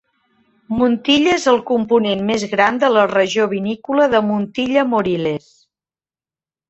Montilla és el component més gran de la regió vinícola de Montilla-Moriles.